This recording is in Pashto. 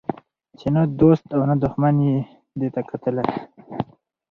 چي نه دو ست او نه دښمن یې دی کتلی